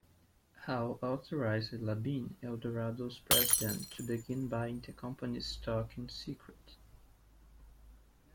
Howe authorized LaBine, Eldorado's president, to begin buying the company's stock in secret.